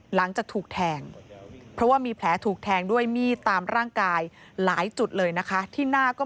หลังจากถูกแทงเพราะว่ามีแผลถูกแทงด้วยมีดตามร่างกายหลายจุดเลยนะคะที่หน้าก็